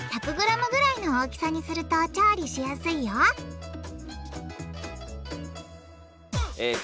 １００ｇぐらいの大きさにすると調理しやすいよえ